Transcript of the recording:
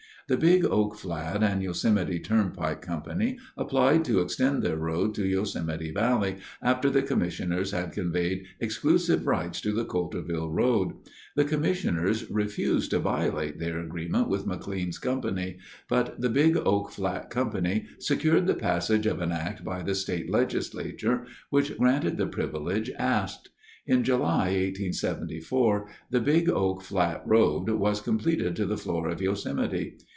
The Big Oak Flat and Yosemite Turnpike Company applied to extend their road to Yosemite Valley after the commissioners had conveyed exclusive rights to the Coulterville Road. The commissioners refused to violate their agreement with McLean's company, but the Big Oak Flat Company secured the passage of an act by the state legislature, which granted the privilege asked. In July, 1874, the Big Oak Flat Road was completed to the floor of Yosemite.